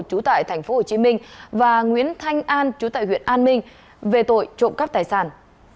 trú tại tp hcm và nguyễn thanh an chú tại huyện an minh về tội trộm cắp tài sản